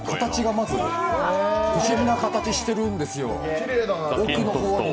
まず不思議な形をしているんですよ。